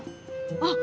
あっ！